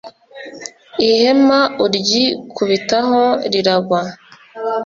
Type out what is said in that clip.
ihema uryikubitaho riragwa